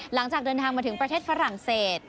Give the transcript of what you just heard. หลังจากเดินทางมาถึงประเทศฝรั่งเศส